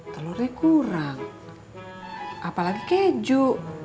telurnya kurang apalagi keju